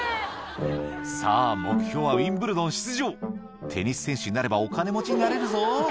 「さぁ目標はウィンブルドン出場」「テニス選手になればお金持ちになれるぞ」